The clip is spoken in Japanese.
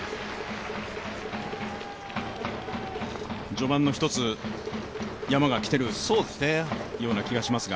序盤の１つ、山が来ているような気がしますが。